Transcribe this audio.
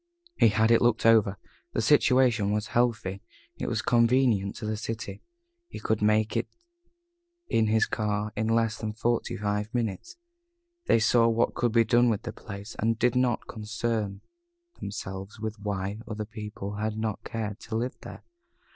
He had looked it over. The situation was healthy. It was convenient to the city. He could make it in his car in less than forty five minutes. They saw what could be done with the place, and did not concern themselves with why other people had not cared to live there.